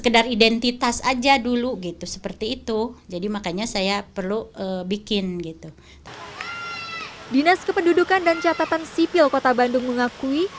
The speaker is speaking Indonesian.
dinas kependudukan dan catatan sipil kota bandung mengakui